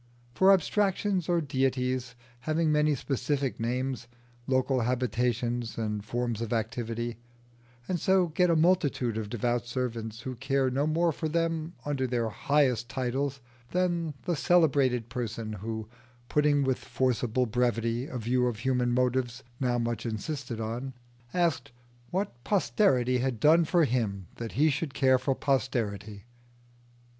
For abstractions are deities having many specific names, local habitations, and forms of activity, and so get a multitude of devout servants who care no more for them under their highest titles than the celebrated person who, putting with forcible brevity a view of human motives now much insisted on, asked what Posterity had done for him that he should care for Posterity?